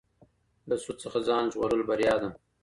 له سود څخه ځان ژغورل بریا ده.